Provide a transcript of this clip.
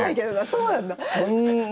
そうなんだ。